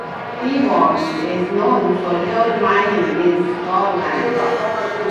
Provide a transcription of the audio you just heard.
De Vos is known for gold mining in Scotland.